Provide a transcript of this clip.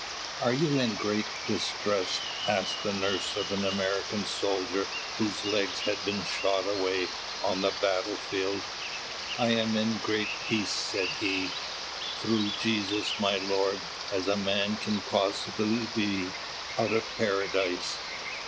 "Are you in great distress?" asked a nurse of an American soldier whose legs had been shot away on the battle field. "I am in as great peace," said he, "through Jesus my Lord, as a man can possibly be, out of Paradise."